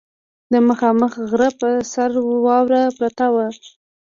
د مخامخ غره پر سر واوره پرته وه.